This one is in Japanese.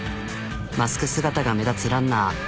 マスク姿が目立つランナー